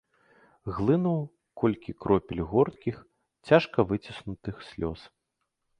Глынуў колькі кропель горкіх, цяжка выціснутых слёз.